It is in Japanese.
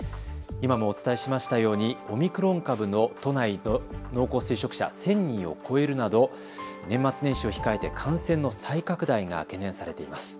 今もお伝えしましたようにオミクロン株の都内の濃厚接触者１０００人を超えるなど年末年始を控えて感染の再拡大が懸念されています。